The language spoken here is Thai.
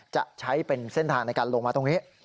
จะใช้เป็นเส้นทางในการลงมาตรงนี้